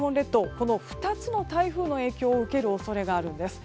この２つの台風の影響を受ける恐れがあるんです。